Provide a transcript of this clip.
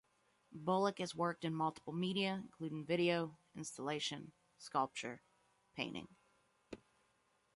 Bulloch has worked in multiple media, including video, installation, sculpture, painting.